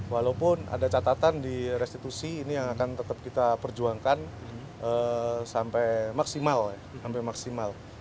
walaupun ada catatan di restitusi ini yang akan tetap kita perjuangkan sampai maksimal